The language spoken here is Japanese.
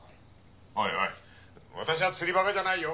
おいおい私は釣りバカじゃないよ。